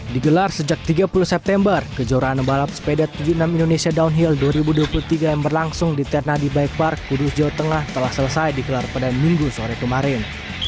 digelar sejak tiga puluh september kejuaraan balap sepeda tujuh puluh enam indonesia downhill dua ribu dua puluh tiga yang berlangsung di ternadi bike park kudus jawa tengah telah selesai dikelar pada minggu sore kemarin